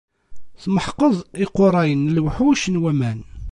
Tmeḥqeḍ iqerra n lewḥuc n waman.